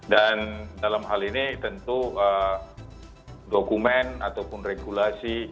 dan dalam hal ini tentu dokumen ataupun regulasi